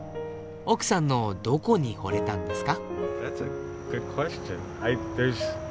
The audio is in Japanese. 奥さんのどこにほれたんですか？